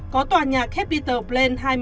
có tòa nhà capital plan